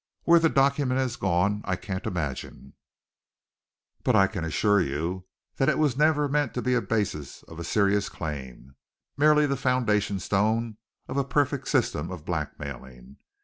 Where the document has gone to, I can't imagine, but I can assure you that it was never meant to be the basis of a serious claim, merely the foundation stone of a perfect system of blackmailing.